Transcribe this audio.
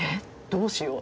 どうしよう。